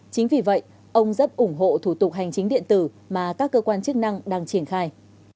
chính vì vậy ông rất ủng hộ thủ tục hành chính điện tử mà các cơ quan chức năng đang triển khai